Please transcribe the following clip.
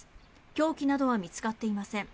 凶器などは見つかっていません。